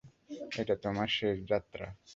এটা তোমার শেষ যাত্রা।